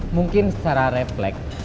mungkin secara refleks